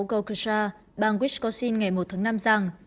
golgotha bang wisconsin ngày một tháng năm rằng